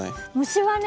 虫はね